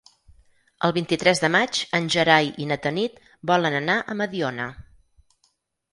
El vint-i-tres de maig en Gerai i na Tanit volen anar a Mediona.